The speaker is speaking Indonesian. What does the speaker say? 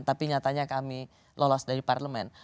tapi nyatanya kami lolos dari parlemen